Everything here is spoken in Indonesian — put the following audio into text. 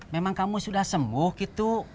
memang kamu sudah sembuh gitu